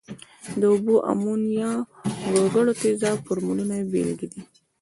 د اوبو، امونیا، ګوګړو تیزاب فورمولونه بیلګې دي.